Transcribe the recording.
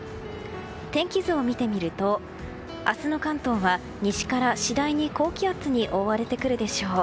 天気図を見てみると明日の関東は西から次第に高気圧に覆われてくるでしょう。